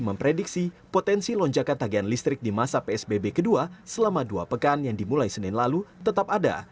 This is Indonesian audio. memprediksi potensi lonjakan tagihan listrik di masa psbb kedua selama dua pekan yang dimulai senin lalu tetap ada